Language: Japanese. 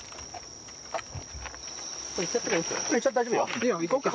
いいよ、行こう。